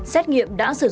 xét nghiệm bảo hiểm y tế